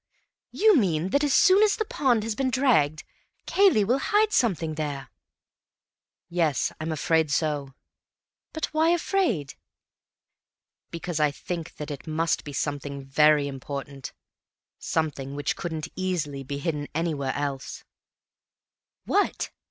You mean that as soon as the pond has been dragged, Cayley will hide something there?" "Yes, I'm afraid so." "But why afraid?" "Because I think that it must be something very important, something which couldn't easily be hidden anywhere else." "What?"